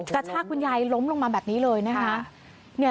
กระชากคุณยายล้มลงมาแบบนี้เลยนะคะ